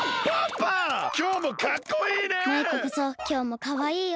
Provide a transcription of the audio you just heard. きょうもかっこいいね！